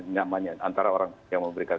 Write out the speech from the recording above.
nyamannya antara orang yang memberikan